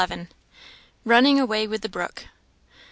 Running away with the brook.